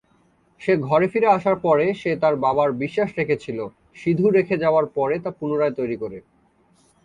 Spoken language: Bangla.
সে ঘরে ফিরে আসার পরে সে তার বাবার বিশ্বাস রেখেছিল সিধু রেখে যাওয়ার পরে তা পুনরায় তৈরি করে।